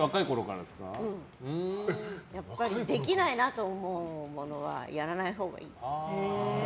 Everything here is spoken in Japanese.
できないなと思うものはやらないほうがいい。